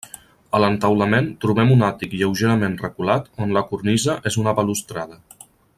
A l'entaulament trobem un àtic lleugerament reculat on la cornisa és una balustrada.